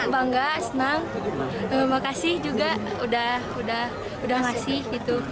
bangga senang terima kasih juga udah ngasih gitu